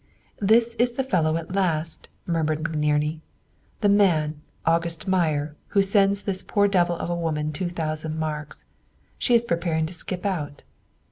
"This is the fellow at last," muttered McNerney. "The man, August Meyer, who sends this poor devil of a woman two thousand marks. She is preparing to skip out.